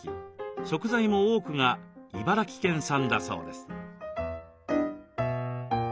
食材も多くが茨城県産だそうです。